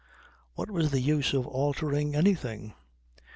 What was the use of altering anything?